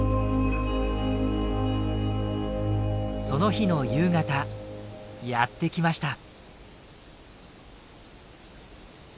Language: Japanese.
その日の夕方やってきました。